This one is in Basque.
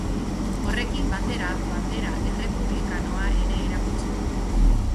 Horrekin batera, bandera errepublikanoa ere erakutsi du.